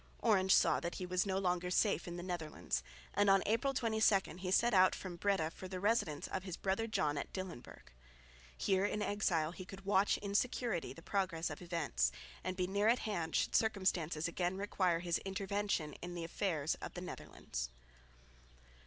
Orange saw that he was no longer safe in the Netherlands and, on April 22, he set out from Breda for the residence of his brother John at Dillenburg. Here in exile he could watch in security the progress of events, and be near at hand should circumstances again require his intervention in the affairs of the Netherlands.